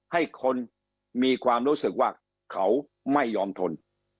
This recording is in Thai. ให้คนมีความรู้สึกว่าเขาไม่ยอมทน